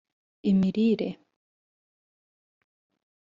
imirire